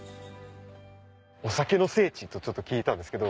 お酒の聖地とちょっと聞いたんですけど。